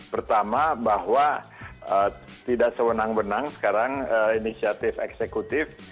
pertama bahwa tidak sewenang wenang sekarang inisiatif eksekutif